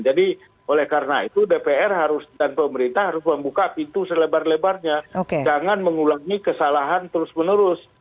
jadi oleh karena itu dpr dan pemerintah harus membuka pintu selebar lebarnya jangan mengulangi kesalahan terus menerus